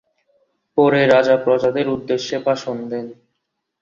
পরে রাজা প্রজাদের উদ্দেশে ভাষণ দেন।